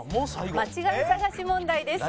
間違い探し問題です。